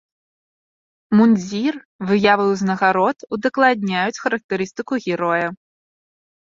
Мундзір, выявы ўзнагарод удакладняюць характарыстыку героя.